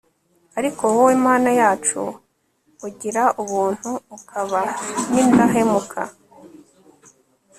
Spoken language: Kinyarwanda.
ariko wowe, mana yacu, ugira ubuntu ukaba n'indahemuka